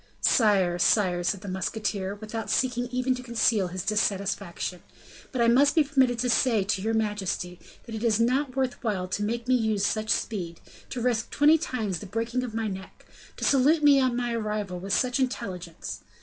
"Sire, sire," said the musketeer, without seeking even to conceal his dissatisfaction; "but I must be permitted to say to your majesty, that it is not worth while to make me use such speed, to risk twenty times the breaking of my neck, to salute me on my arrival with such intelligence.